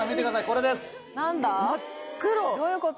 これです・どういうこと？